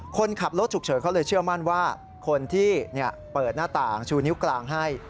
คนขับรถฉุกเฉินเขาเลยเชื่อมั่นว่าคนที่เปิดหน้าต่างชูนิ้วกลางให้